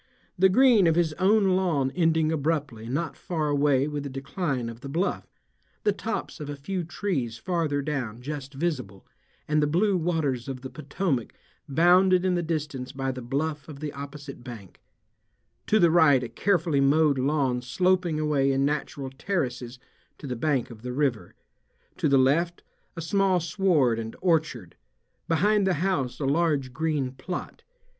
The green of his own lawn ending abruptly not far away with the decline of the bluff, the tops of a few trees farther down just visible, and the blue waters of the Potomac bounded in the distance by the bluff of the opposite bank; to the right a carefully mowed lawn sloping away in natural terraces to the bank of the river; to the left a small sward and orchard; behind the house a large green plot.